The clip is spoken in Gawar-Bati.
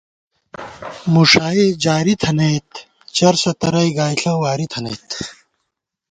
مُݭائی جاری تھنَئیت، چرسہ تَرَئی گائیݪہ واری تھنَئیت